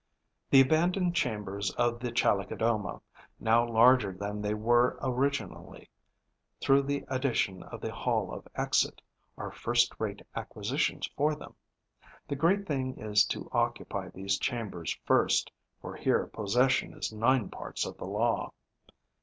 The abandoned chambers of the Chalicodoma, now larger than they were originally, through the addition of the hall of exit, are first rate acquisitions for them. The great thing is to occupy these chambers first, for here possession is nine parts of the law.